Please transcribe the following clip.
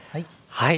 はい。